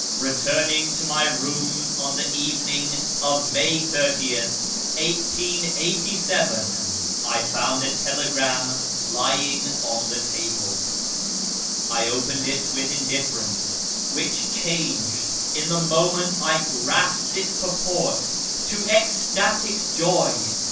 Eeturning to my rooms on the evening of May 30, 1887, I found a telegram lying on the table. I opened it with indifference, which changed, in the moment I grasped its purport, to ecstatic joy.